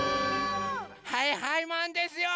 はいはいマンですよ！